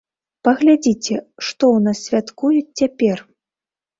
Паглядзіце, што ў нас святкуюць цяпер?